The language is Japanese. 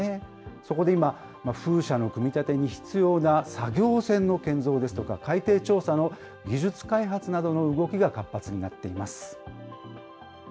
そこで今、風車の組み立てに必要な作業船の建造ですとか、海底調査の技術開発などの動きが活発になっています。